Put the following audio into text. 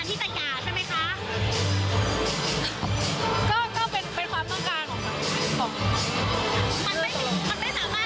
สุดท้ายยังยังยังยังยังยืนยันที่ตะกะใช่ไหมคะ